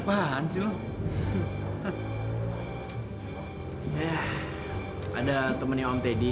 kamu lihat lihat aku